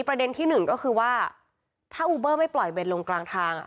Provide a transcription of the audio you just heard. ประเด็นที่หนึ่งก็คือว่าถ้าอูเบอร์ไม่ปล่อยเบนลงกลางทาง